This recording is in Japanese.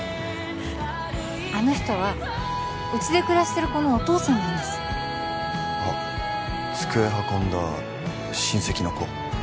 あの人はうちで暮らしてる子のお父さんなんですあ机運んだ親戚の子？